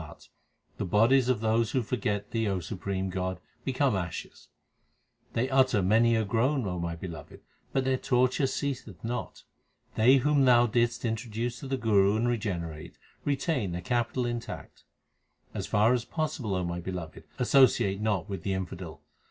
360 THE SIKH RELIGION The bodies of those who forget Thee, O supreme God, become ashes. They utter many a groan, O my Beloved, but their torture ceaseth not. They whom Thou didst introduce to the Guru and re generate, retain their capital intact. As far as possible, O my Beloved, associate not with the infidel.